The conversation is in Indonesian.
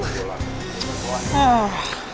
oh ya lah